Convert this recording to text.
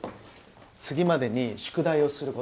次までに宿題をする事。